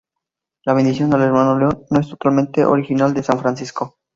La bendición al hermano León no es totalmente original de san Francisco.